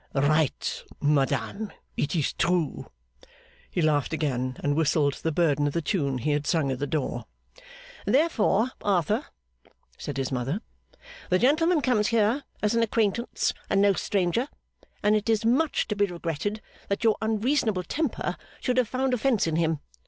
'Right, madame. It is true.' He laughed again, and whistled the burden of the tune he had sung at the door. 'Therefore, Arthur,' said his mother, 'the gentleman comes here as an acquaintance, and no stranger; and it is much to be regretted that your unreasonable temper should have found offence in him.